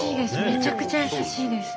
めちゃくちゃ優しいです。